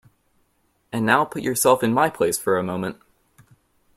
And now put yourself in my place for a moment.